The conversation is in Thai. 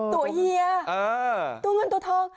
เฮียตัวเงินตัวทอง